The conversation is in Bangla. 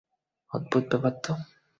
অদ্ভুত ব্যাপার তো।